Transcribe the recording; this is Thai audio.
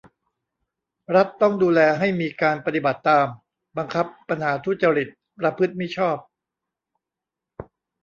รัฐต้องดูแลให้มีการปฏิบัติตาม บังคับ ปัญหาทุจริต ประพฤติมิชอบ